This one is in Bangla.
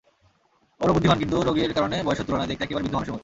অরো বুদ্ধিমান কিন্তু রোগের কারণে বয়সের তুলনায় দেখতে একেবারে বৃদ্ধ মানুষের মতো।